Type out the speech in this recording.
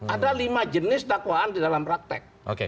ada lima jenis dakwaan di dalam praktek